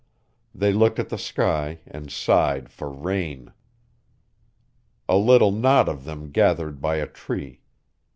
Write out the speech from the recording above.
They looked at the sky and sighed for rain. A little knot of them gathered by a tree.